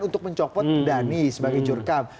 untuk mencopot dhani sebagai jurkam